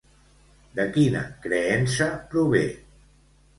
De quina creença prové?